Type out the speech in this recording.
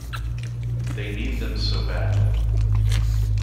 They need them so badly.